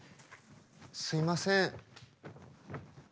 すいません。